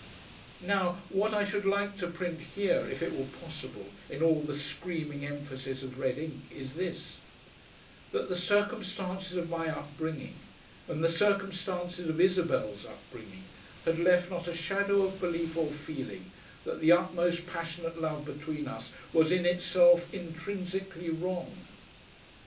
Now, what I should like to print here, if it were possible, in all the screaming emphasis of red ink, is this: that the circumstances of my upbringing and the circumstances of Isabel's upbringing had left not a shadow of belief or feeling that the utmost passionate love between us was in itself intrinsically WRONG.